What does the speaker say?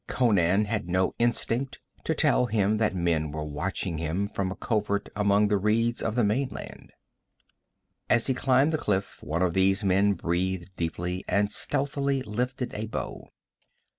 Conan had no instinct to tell him that men were watching him from a covert among the reeds of the mainland. As he climbed the cliff, one of these men breathed deeply and stealthily lifted a bow.